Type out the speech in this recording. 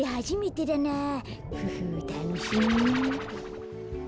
フフたのしみ。